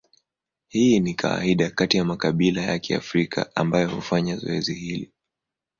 Hii ni kawaida kati ya makabila ya Kiafrika ambayo hufanya zoezi hili.